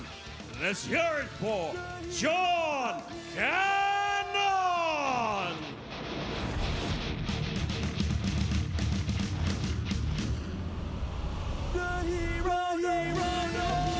ทุกท่านทุกท่านขอบคุณคุณจอห์นแอนโน่น